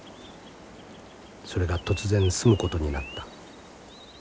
それが突然住むことになった。